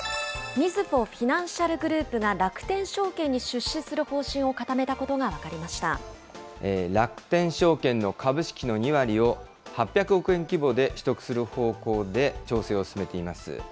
みずほフィナンシャルグループが、楽天証券に出資する方針を固めた楽天証券の株式の２割を、８００億円規模で取得する方向で調整を進めています。